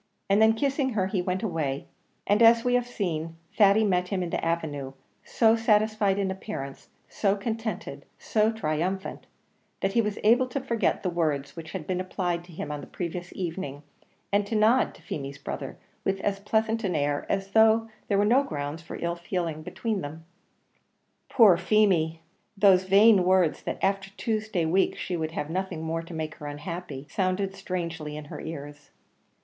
And then, kissing her, he went away, and as we have seen, Thady met him in the avenue, so satisfied in appearance, so contented, so triumphant, that he was able to forget the words which had been applied to him on the previous evening, and to nod to Feemy's brother with as pleasant an air as though there were no grounds for ill feeling between them. Poor Feemy! those vain words that "after Tuesday week she would have nothing more to make her unhappy," sounded strangely in her ears.